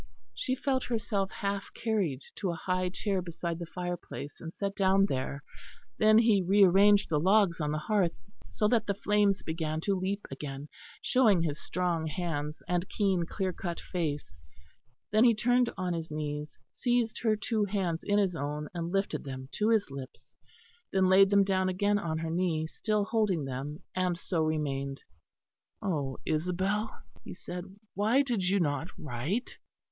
She felt herself half carried to a high chair beside the fire place and set down there; then he re arranged the logs on the hearth, so that the flames began to leap again, showing his strong hands and keen clear cut face; then he turned on his knees, seized her two hands in his own, and lifted them to his lips; then laid them down again on her knee, still holding them; and so remained. "Oh! Isabel," he said, "why did you not write?"